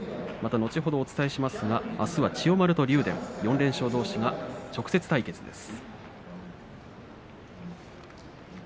後ほどお伝えしますがあすは千代丸と竜電４連勝どうしが直接対決です。